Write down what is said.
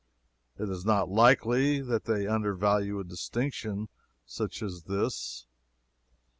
It is not likely that they undervalue a distinction such as this.